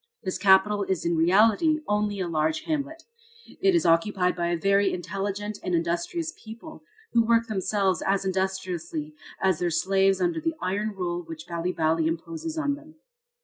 This capital is in reality only a large hamlet. It is occupied by a very intelligent and industrious people, who work themselves as industriously as their slaves under the iron rule which Bali Bali imposes on them.